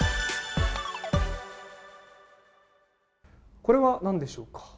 これは何でしょうか。